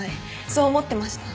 そう思ってました。